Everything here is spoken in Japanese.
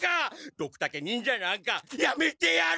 ドクタケ忍者なんかやめてやる！